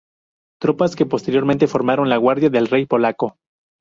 Tropas que, posteriormente formaron la guardia del rey polaco.